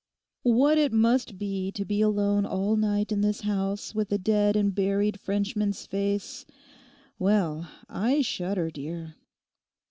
What it must be to be alone all night in this house with a dead and buried Frenchman's face—well, I shudder, dear!